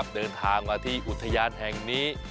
เดินทางมาที่อุทยานแห่งนี้